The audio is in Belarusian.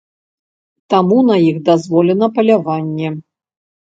Таму на іх дазволена паляванне.